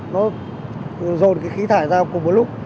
nó dồn khí thải ra cùng một lúc